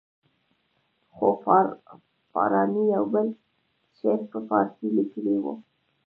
خو فاراني یو بل شعر په فارسي لیکلی وو.